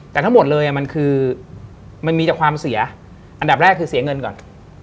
แต่ทั้งหมดเลยมันคือมันมีแต่ความเสียอันดับแรกคือเสียเงินก่อน